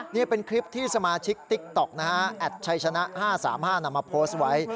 นี่เป็นคลิปที่สมาชิกติ๊กต๊อกนะฮะแอดชัยชนะ๕๓๕นำมาโพสต์ไว้